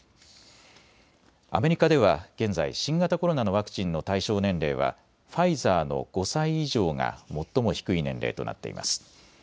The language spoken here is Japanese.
アメリカでは現在、新型コロナのワクチンの対象年齢はファイザーの５歳以上が最も低い年齢となっています。